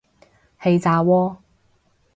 氣炸鍋